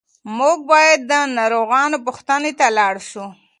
موږ باید د ناروغانو پوښتنې ته لاړ شو.